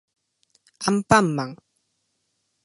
アンパンマン